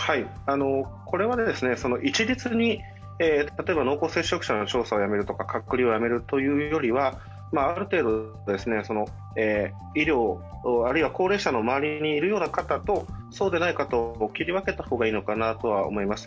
一律に濃厚接触者の追跡をやめるとか、隔離をやめるとか、ある程度、医療、あるいは高齢者の周りにいるような方とそうでない方を切り分けた方がいいのかなと思います。